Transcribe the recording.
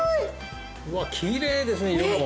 うわっきれいですね色も。